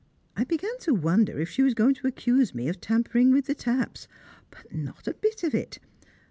I began to wonder if she was going to accuse me of tampering with the taps but not a bit of it!